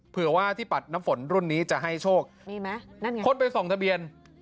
เผื่อว่าที่ปัดน้ำฝนรุ่นนี้จะให้โชคมีไหมนั่นไงคนไปส่องทะเบียน